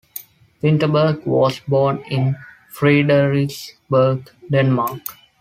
Vinterberg was born in Frederiksberg, Denmark.